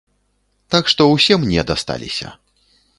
Так што ўсе мне дасталіся.